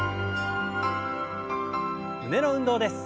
胸の運動です。